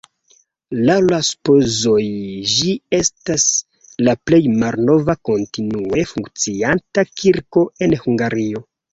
Laŭ la supozoj ĝi estas la plej malnova kontinue funkcianta kirko en Hungario.